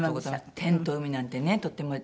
天と海なんてねとっても。